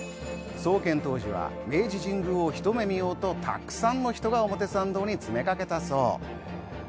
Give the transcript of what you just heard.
創建当時は明治神宮をひと目見ようと、たくさんの人が表参道に詰めかけたそう。